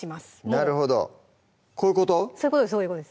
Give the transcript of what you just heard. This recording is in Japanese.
なるほどこういうこと？